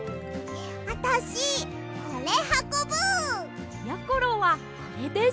あたしこれはこぶ！やころはこれです！